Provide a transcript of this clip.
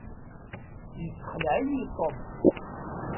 Yessexleɛ-iyi Tom.